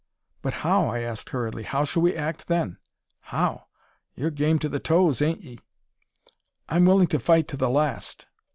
"But how?" I asked, hurriedly; "how shall we act then?" "How? Yur game to the toes, ain't 'ee?" "I am willing to fight to the last."